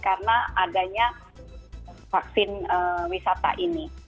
karena adanya vaksin wisata ini